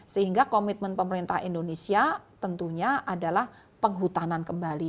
sehingga komitmen pemerintah indonesia tentunya adalah penghutanan kembali